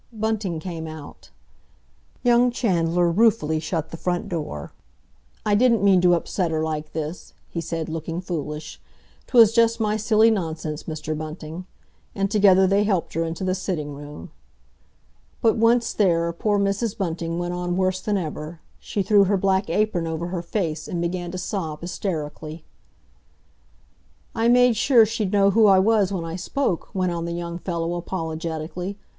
Bunting came out Young Chandler ruefully shut the front door. "I didn't mean to upset her like this," he said, looking foolish; "'twas just my silly nonsense, Mr. Bunting." And together they helped her into the sitting room. But, once there, poor Mrs. Bunting went on worse than ever; she threw her black apron over her face, and began to sob hysterically. "I made sure she'd know who I was when I spoke," went on the young fellow apologetically.